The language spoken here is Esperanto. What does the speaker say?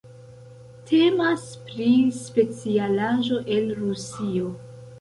Temas pri specialaĵo el Rusio.